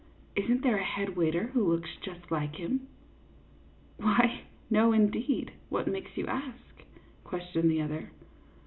"Is n't there a head waiter who looks just like him ?"" Why, no, indeed. What makes you ask ?" ques tioned the other.